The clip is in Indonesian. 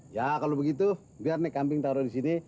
ya kalau begitu biar nih kambing taruh di sini